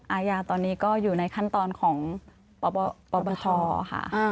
อาญาตอนนี้ก็อยู่ในขั้นตอนของปปชค่ะ